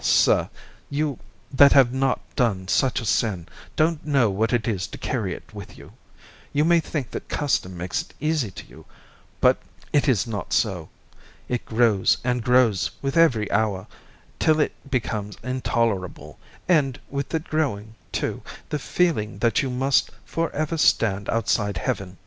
sir, you that have not done such a sin don't know what it is to carry it with you. You may think that custom makes it easy to you, but it is not so. It grows and grows with every hour, till it becomes intolerable, and with it growing, too, the feeling that you must for ever stand outside Heaven.